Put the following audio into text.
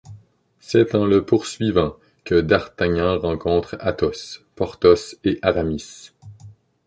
C'est en le poursuivant que D'Artagnan rencontre Athos, Porthos et Aramis.